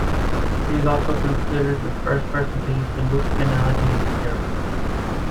He is also considered the first person to use linguistic analogy in Arabic.